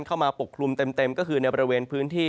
ปกคลุมเต็มก็คือในบริเวณพื้นที่